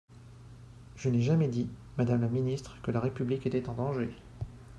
Je n’ai jamais dit, madame la ministre, que la République était en danger.